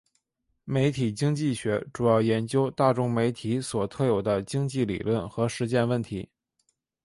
媒体经济学主要研究大众媒体所特有的经济理论和实践问题。